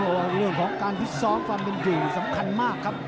ว่าเรื่องของการพิษซ้อมความเป็นอยู่สำคัญมากครับ